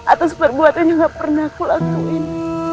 atas perbuatannya nggak pernah kulakuin